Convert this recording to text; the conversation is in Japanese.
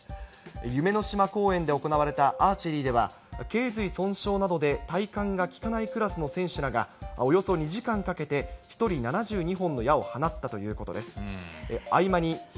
ゆめのしま公園で行われたアーチェリーでは、頸髄損傷などで体幹がきかないクラスの選手らがおよそ２時間かけて、１人７２本の矢を放ったということです。